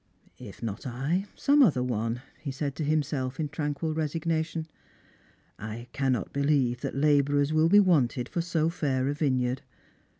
" If not I, some other one," he said to himself, in tranquil resignation. " I cannot believe that labourers will be wanted for so fair a vineyard.